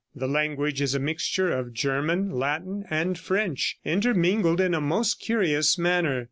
The language is a mixture of German, Latin and French, intermingled in a most curious manner.